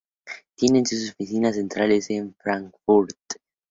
Tiene sus oficinas centrales en Frankfurt.